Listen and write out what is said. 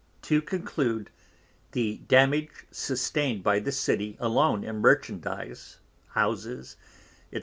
To conclude, the Damage sustein'd by this City alone in Merchandise, Houses, &c.